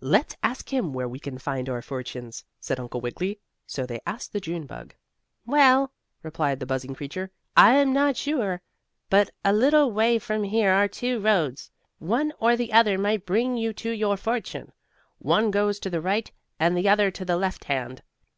"Let's ask him where we can find our fortunes," said Uncle Wiggily. So they asked the June bug. "Well," replied the buzzing creature, "I am not sure, but a little way from here are two roads. One or the other might bring you to your fortune. One goes to the right, the other to the left hand."